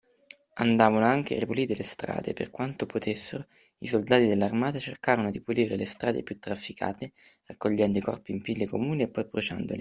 Andavano anche ripulite le strade: per quanto potessero, i soldati dell’armata cercarono di pulire le strade più trafficate, raccogliendo i corpi in pile comuni, poi bruciandoli.